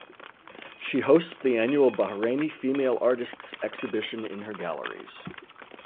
She hosts the annual Bahraini Female Artists exhibition in her galleries.